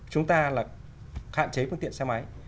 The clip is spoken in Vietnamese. chúng ta là hạn chế phương tiện xe máy